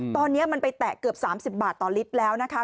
ตอนนี้มันไปแตะเกือบ๓๐บาทต่อลิตรแล้วนะคะ